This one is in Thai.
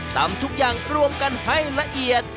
ทำทุกอย่างรวมกันให้ละเอียด